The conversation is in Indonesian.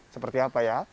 seperti apa ya